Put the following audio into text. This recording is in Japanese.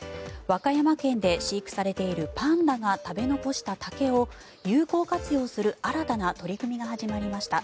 和歌山県で飼育されているパンダが食べ残した竹を有効活用する新たな取り組みが始まりました。